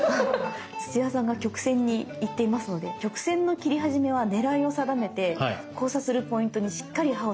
土屋さんが曲線に行っていますので曲線の切り始めは狙いを定めて交差するポイントにしっかり刃を刺し入れて下さい。